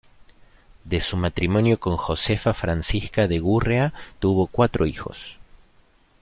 De su matrimonio con Josefa Francisca de Gurrea tuvo cuatro hijos.